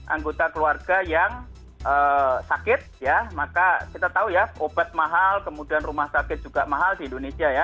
anggota keluarga yang sakit ya maka kita tahu ya obat mahal kemudian rumah sakit juga mahal di indonesia ya